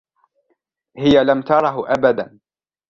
هى لم ترهُ أبداً.